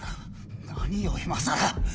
何を今更！